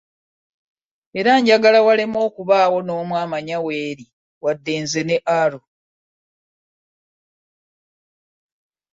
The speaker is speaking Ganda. Era njagala waleme okubaawo n'omu amanya w'eri wadde nze ne Arrow.